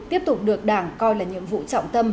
tiếp tục được đảng coi là nhiệm vụ trọng tâm